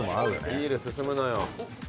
ビール進むのよ。